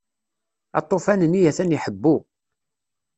Aṭufan-nni atan iḥebbu.